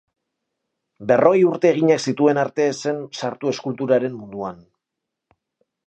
Berrogei urte eginak zituen arte ez zen sartu eskulturaren munduan.